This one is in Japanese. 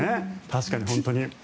確かに本当に。